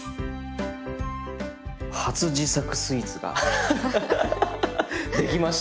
初自作スイーツができました。